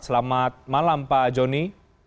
selamat malam pak jody